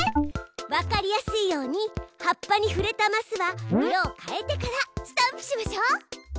わかりやすいように葉っぱにふれたマスは色を変えてからスタンプしましょう。